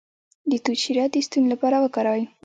د توت شیره د ستوني لپاره وکاروئ